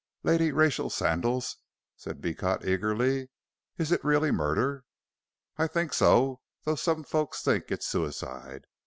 "Lady Rachel Sandal's?" said Beecot, eagerly. "Is it really murder?" "I think so, though some folks think it suicide.